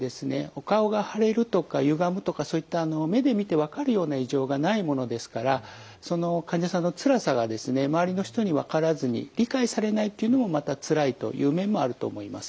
お顔が腫れるとかゆがむとかそういった目で見て分かるような異常がないものですからその患者さんのつらさがですね周りの人に分からずに理解されないっていうのもまたつらいという面もあると思います。